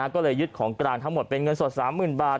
ก็เลยยึดของกลางทั้งหมดเป็นเงินสด๓๐๐๐บาท